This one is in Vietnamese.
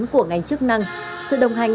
của ngành chức năng sự đồng hành